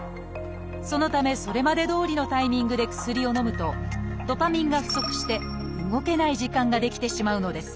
そのためそれまでどおりのタイミングで薬をのむとドパミンが不足して動けない時間が出来てしまうのです。